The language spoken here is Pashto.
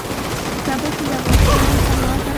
د کابل سیند د افغانستان د صنعت لپاره مواد برابروي.